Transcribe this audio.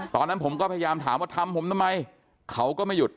ตอนนั้นผมก็พยายามถามว่าทำผมทำไมเขาก็ไม่หยุด